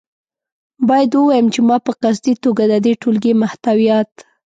باید ووایم چې ما په قصدي توګه د دې ټولګې محتویات.